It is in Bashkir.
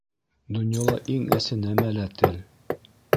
Донъяла иң әсе нәмә лә тел